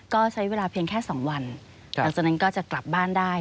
ก็ใช้เวลาเพียงแค่๒วันหลังจากนั้นก็จะกลับบ้านได้